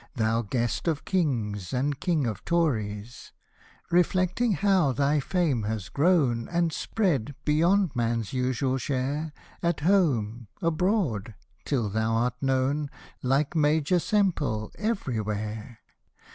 Thou guest of Kings, and King of Tories ! Reflecting how thy fame has grown And spread, beyond man's usual share. At home, abroad, till thou art known. Like Major Semple, everywhere